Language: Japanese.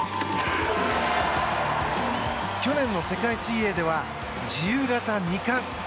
去年の世界水泳では自由形２冠。